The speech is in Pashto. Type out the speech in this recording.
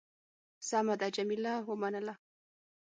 سمه ده. جميله ومنله.